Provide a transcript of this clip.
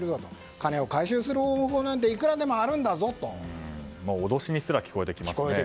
金を回収する方法なんて脅しにすら聞こえてきますよね。